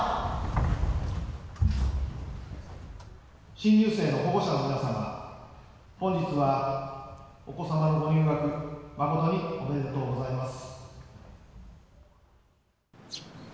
新入生の保護者の皆様、本日はお子様のご入学、誠におめでとうございます。